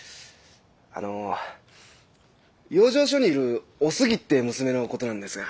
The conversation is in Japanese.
あの養生所にいるお杉って娘の事なんですが。